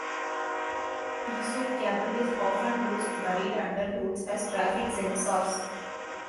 Piezo cable is often used buried under roads as traffic sensors.